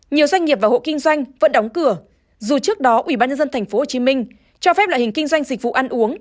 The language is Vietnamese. nhiều doanh nghiệp và hộ kinh doanh vẫn đóng cửa dù trước đó ubnd tp hcm cho phép loại hình kinh doanh dịch vụ ăn uống